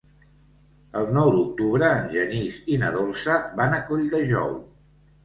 El nou d'octubre en Genís i na Dolça van a Colldejou.